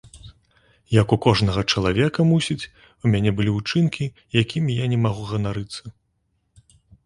Як у кожнага чалавека, мусіць, у мяне былі ўчынкі, якімі я не магу ганарыцца.